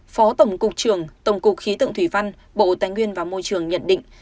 phó tổng cục trường tổng cục khí tượng thủy văn bộ tài nguyên và môi trường nhận định